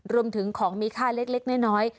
รวมถึงของมีค่าเล็กน้อย